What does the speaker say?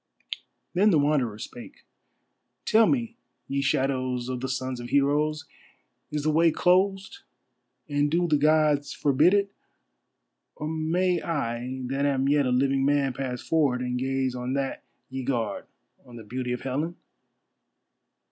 Then the Wanderer spake. "Tell me, ye shadows of the sons of heroes, is the way closed, and do the Gods forbid it, or may I that am yet a living man pass forward and gaze on that ye guard, on the beauty of Helen?"